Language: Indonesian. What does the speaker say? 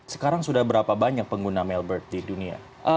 sekarang sudah berapa banyak pengguna mailbird di dunia